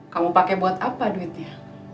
kamu pakai buat apa duitnya